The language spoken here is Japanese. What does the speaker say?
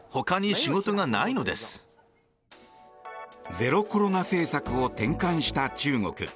ゼロコロナ政策を転換した中国。